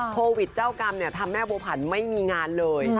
โควิดเจ้ากรรมทำแม่บัวผันไม่มีงานเลย